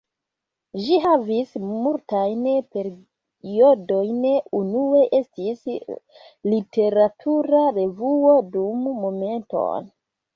Ĝi havis multajn periodojn, unue estis literatura revuo dum Momenton!